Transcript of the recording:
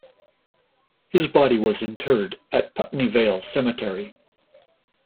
His body was interred at Putney Vale Cemetery.